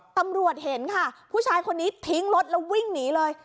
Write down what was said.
ตำรวจเห็นค่ะผู้ชายคนนี้ทิ้งรถแล้ววิ่งหนีเลย